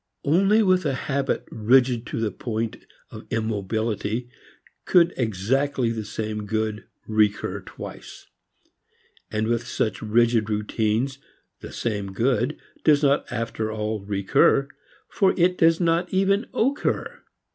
Only with a habit rigid to the point of immobility could exactly the same good recur twice. And with such rigid routines the same good does not after all recur, for it does not even occur.